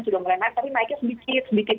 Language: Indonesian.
sudah mulai naik tapi naiknya sedikit sedikit